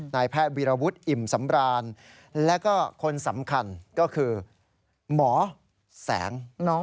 นายแพทย์วีรวุฒิอิ่มสำราญแล้วก็คนสำคัญก็คือหมอแสง